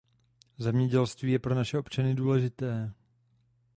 Zemědělství je pro naše občany důležité.